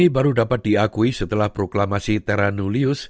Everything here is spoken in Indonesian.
itu dapat diakui setelah proklamasi terranulius